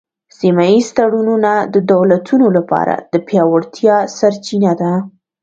سیمه ایز تړونونه د دولتونو لپاره د پیاوړتیا سرچینه ده